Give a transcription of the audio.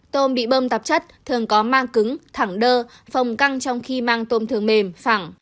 tôm bị bơm tạp chất thường có mang cứng thẳng đơ phòng căng trong khi mang tôm thường mềm phẳng